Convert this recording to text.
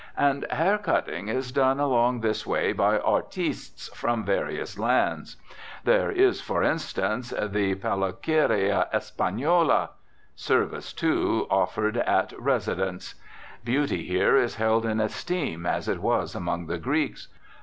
And "hair cutting" is done along this way by artistes from various lands. There is, for instance, the Peluqueria Espanola. "Service," too, is offered "at residence." Beauty here is held in esteem as it was among the Greeks.